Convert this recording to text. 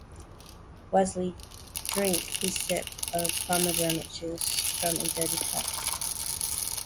Wesley drank a sip of Pomegranate juice from a dirty cup.